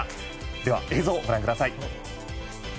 では映像をご覧ください。